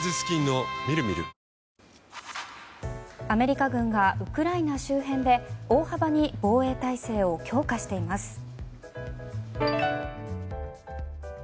アメリカ軍がウクライナ周辺で大幅に防衛体制を強化しています。